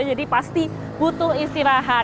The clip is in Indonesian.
jadi pasti butuh istirahat